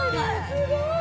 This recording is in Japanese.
すごい！